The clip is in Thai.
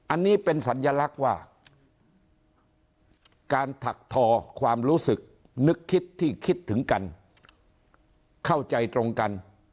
อันนี้เป็นสัญลักษณ์ว่าการถักทอความรู้สึกนึกคิดที่คิดถึงกันเข้าใจตรงกัน